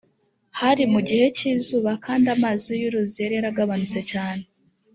hari mu gihe cy izuba kandi amazi y uruzi yari yaragabanutse cyane